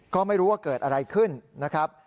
ก็ไม่รู้ว่าเกิดอะไรขึ้นนะครับ